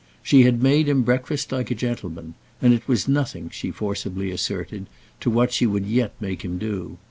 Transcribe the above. She had made him breakfast like a gentleman, and it was nothing, she forcibly asserted, to what she would yet make him do.